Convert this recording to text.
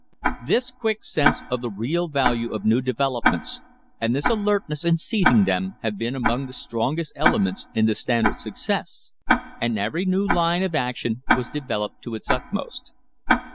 This quick sense of the real value of new developments, and this alertness in seizing them, have been among the strongest elements in the Standard's success. And every new line of action was developed to its utmost.